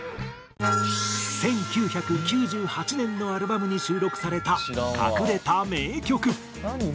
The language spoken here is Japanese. １９９８年のアルバムに収録された隠れた名曲。